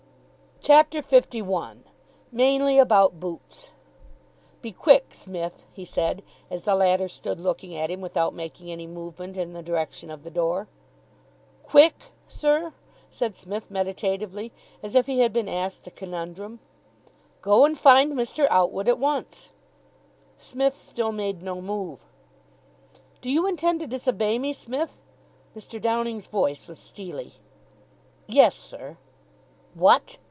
CHAPTER LI MAINLY ABOUT BOOTS "Be quick, Smith," he said, as the latter stood looking at him without making any movement in the direction of the door. "Quick, sir?" said Psmith meditatively, as if he had been asked a conundrum. "Go and find Mr. Outwood at once." Psmith still made no move. "Do you intend to disobey me, Smith?" Mr. Downing's voice was steely. "Yes, sir." "What!"